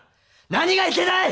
何がいけない！